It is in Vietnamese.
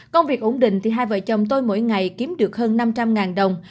công việc ổn định thì hai vợ chồng tôi mỗi ngày kiếm được hơn năm trăm linh đồng